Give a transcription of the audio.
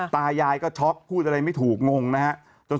ตายายก็ช็อกพูดอะไรไม่ถูกงงนะฮะ